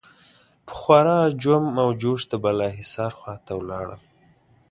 په خورا جم و جوش د بالاحصار خوا ته ولاړل.